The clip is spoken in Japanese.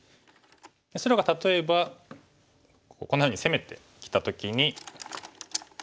白が例えばこんなふうに攻めてきた時に。